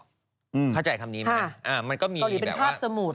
เข้าใจคำนี้ไหมอ่ามันก็มีเกาหลีเป็นภาพสมุด